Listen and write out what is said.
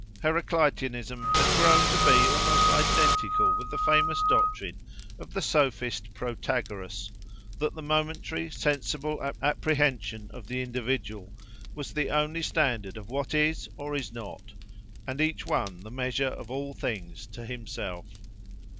Heracliteanism had grown to be almost identical with the famous doctrine of the sophist Protagoras, that the momentary, sensible apprehension of the individual was the only standard of what is or is not, and each one the measure of all things to himself.